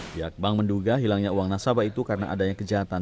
pihak bank menduga hilangnya uang nasabah itu karena adanya kejahatan